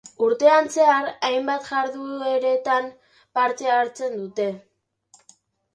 Urtean zehar hainbat jardueratan parte hartzen dute.